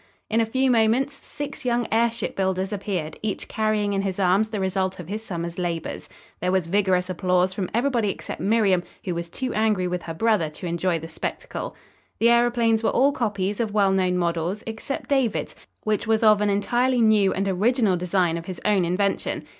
In a few moments six young airship builders appeared, each carrying in his arms the result of his summer's labors. There was vigorous applause from everybody except Miriam, who was too angry with her brother to enjoy the spectacle. The aeroplanes were all copies of well known models, except David's, which was of an entirely new and original design of his own invention.